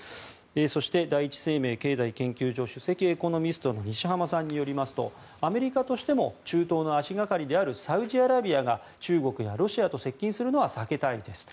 そして、第一生命経済研究所首席エコノミストの西濱さんによりますとアメリカとしても中東の足掛かりであるサウジアラビアが中国やロシアと接近するのは避けたいですと。